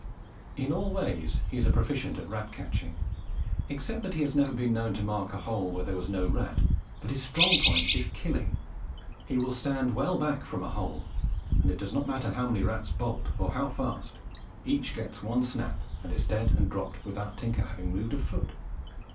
In all ways he is a proficient at rat catching, except that he has been known to mark a hole where there was no rat; but his strong point is killing. He will stand well back from a hole, and it does not matter how many rats bolt, or how fast, each gets one snap and is dead and dropped without Tinker having moved a foot.